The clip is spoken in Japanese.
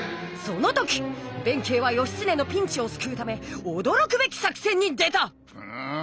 その時弁慶は義経のピンチをすくうためおどろくべき作戦に出た！